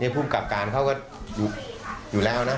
ภูมิกับการเขาก็อยู่แล้วนะ